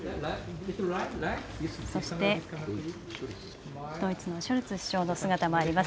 そしてドイツのショルツ首相の姿もあります。